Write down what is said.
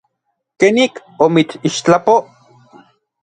¿Kenik omitsixtlapoj?